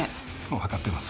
わかってます。